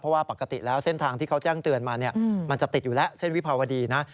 เพราะว่าปกติแล้วเส้นทางที่เขาแจ้งเตือนมามันจะติดอยู่แล้วเส้นวิภาวดีนะ